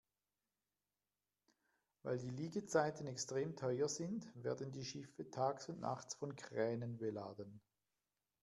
Weil die Liegezeiten extrem teuer sind, werden die Schiffe tags und nachts von Kränen beladen.